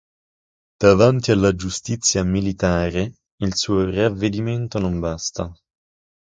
Davanti alla giustizia militare, il suo ravvedimento non basta.